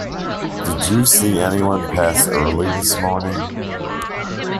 Did you see anyone pass early this morning?